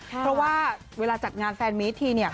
เพราะว่าเวลาจัดงานแฟนมีสทีเนี่ย